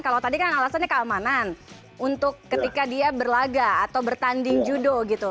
kalau tadi kan alasannya keamanan untuk ketika dia berlaga atau bertanding judo gitu